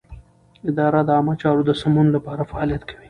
اداره د عامه چارو د سمون لپاره فعالیت کوي.